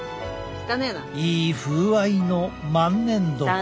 いい風合いの万年床。